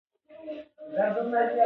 زړه د ژوند چلند ټاکي.